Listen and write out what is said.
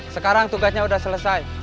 sekarang tugasnya udah selesai